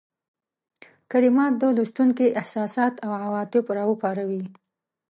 کلمات د لوستونکي احساسات او عواطف را وپاروي.